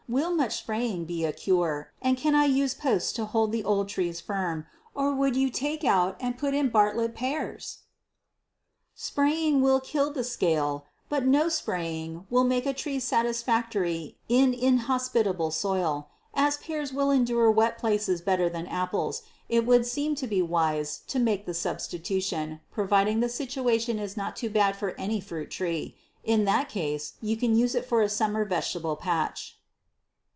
Will much spraying be a cure and can I use posts to hold the old trees firm, or would you take out and put in Bartlett pears! Spraying would kill the scale but no spraying will make a tree satisfactory in inhospitable soil. As pears will endure wet places better than apples, it would seem to be wise to make the substitution, providing the situation is not too bad for any fruit tree. In that case you can use it for a summer vegetable patch.